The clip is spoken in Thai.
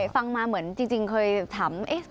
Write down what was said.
ฟังมาเหมือนจริงเคยถาม